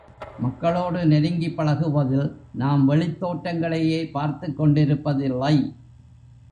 மக்களோடு நெருங்கிப் பழகுவதில் நாம் வெளித் தோற்றங்களையே பார்த்துக் கொண்டிருப்பதில்லை.